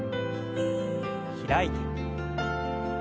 開いて。